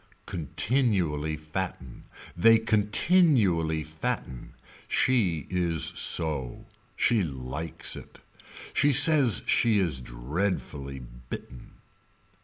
Continually fatten. They continually fatten. She is so. She likes it. She says she is dreadfully bitten.